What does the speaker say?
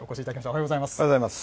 おはようございます。